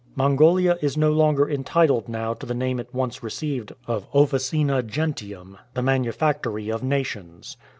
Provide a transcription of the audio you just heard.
Mon golia is no longer entitled now to the name it once re ceived of qfficina gentium^ " the manufactory of nations.""